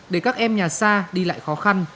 để các em nhà xa đi lại khó khăn